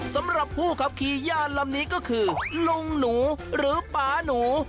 สำหรับผู้ขับขี่ย่านลำนี้ก็คือลุงหนูหรือป๊าหนู